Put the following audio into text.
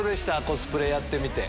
コスプレやってみて。